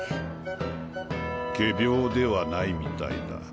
仮病ではないみたいだ。